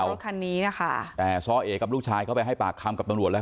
รถคันนี้นะคะแต่ซ้อเอกกับลูกชายเข้าไปให้ปากคำกับตำรวจแล้ว